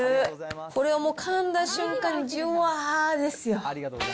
これはもうかんだ瞬間、じゅわーですよ。